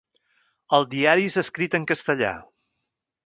El diari és escrit en castellà.